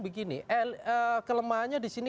begini kelemahannya disini